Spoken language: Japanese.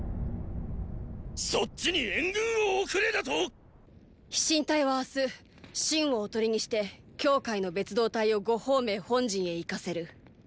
そっちに援軍を送れだとォ⁉飛信隊は明日信を囮にして羌の別働隊を呉鳳明本陣へ行かせる。